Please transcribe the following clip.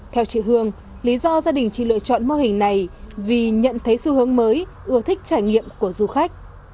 theo chị hương lý do gia đình chị lựa chọn mô hình này vì nhận thấy xu hướng mới ưa thích trải nghiệm của du khách